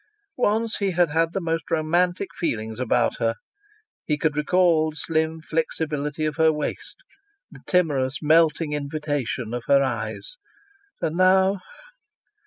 Once he had had the most romantic feelings about her. He could recall the slim flexibility of her waist, the timorous melting invitation of her eyes. And now